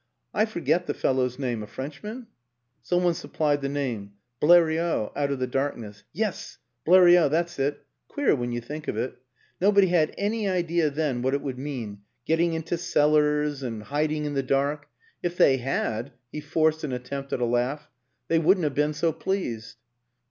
I forget the fellow's name a Frenchman? " Some one supplied the name, " Bleriot," out of the darkness. " Yes, Bleriot that's it. ... Queer when you think of it. Nobody had any idea then what it would mean getting into cellars and hiding 274 WILLIAM AN ENGLISHMAN in the dark. If they had " he forced an at tempt at a laugh " they wouldn't have been so pleased."